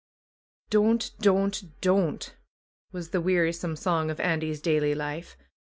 ^'Don't, don't, don't!" was the wearisome song of Andy's daily life.